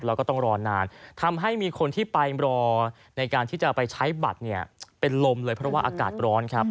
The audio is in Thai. แล้วก็ต้องรอนานทำให้มีคนที่ไปรอในการที่จะไปใช้บัตรเนี่ยเป็นลมเลยเพราะว่าอากาศร้อนครับ